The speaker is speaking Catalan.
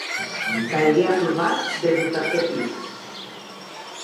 Caigué aplomat des d'un tercer pis.